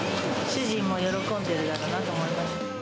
主人も喜んでいるだろうなと思います。